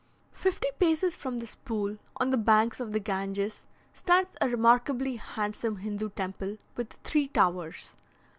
Fifty paces from this pool, on the banks of the Ganges, stands a remarkably handsome Hindoo temple, with three towers.